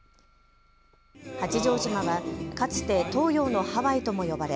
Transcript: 八丈島はかつて東洋のハワイとも呼ばれ